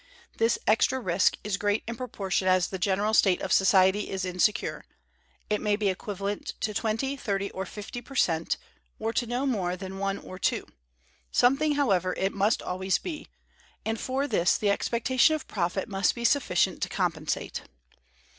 This extra risk is great in proportion as the general state of society is insecure: it may be equivalent to twenty, thirty, or fifty per cent, or to no more than one or two; something however, it must always be; and for this the expectation of profit must be sufficient to compensate.